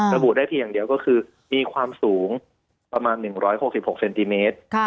ระบุได้เพียงอย่างเดียวก็คือมีความสูงประมาณ๑๖๖เซนติเมตร